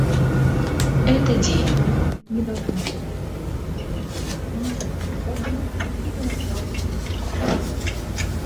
Эта деятельность не должна предопределять учреждение вспомогательных органов или начало переговоров.